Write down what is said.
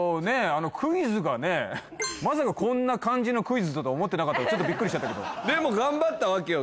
あのクイズがねまさかこんな感じのクイズだと思ってなかったからビックリしたけどでも頑張ったわけよ